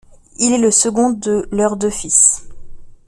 Il est le second de leurs deux fils.